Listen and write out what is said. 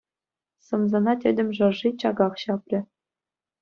Сӑмсана тӗтӗм шӑрши чаках ҫапрӗ.